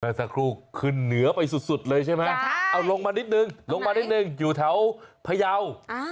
สักครู่ขึ้นเหนือไปสุดเลยใช่ไหมเอาลงมานิดนึงลงมานิดนึงอยู่แถวพยาว